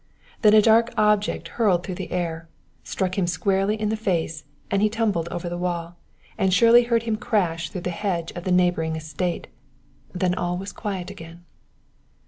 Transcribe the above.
Then a dark object, hurled through the air, struck him squarely in the face and he tumbled over the wall, and Shirley heard him crash through the hedge of the neighboring estate, then all was quiet again.